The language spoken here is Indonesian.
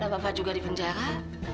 dan bapak juga di penjara